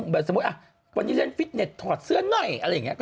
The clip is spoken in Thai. สมมุติวันนี้เล่นฟิตเน็ตถอดเสื้อหน่อยอะไรอย่างนี้